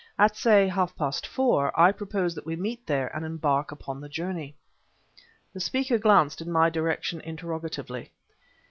At, say, half past four, I propose that we meet there and embark upon the journey." The speaker glanced in my direction interrogatively.